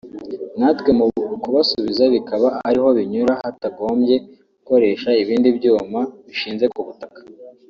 natwe mu kubasubiza bikaba ari ho binyura hatagombye gukoresha ibindi byuma bishinze ku butaka